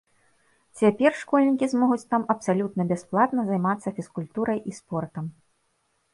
Цяпер школьнікі змогуць там абсалютна бясплатна займацца фізкультурай і спортам.